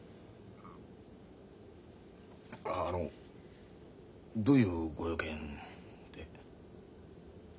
あのどういうご用件で？